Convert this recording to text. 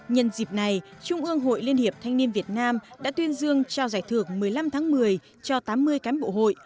nhân dịp này trung ương hội liên hiệp thanh niên việt nam đã tuyên dương trao giải thưởng một mươi năm tháng một mươi cho tám mươi cán bộ hội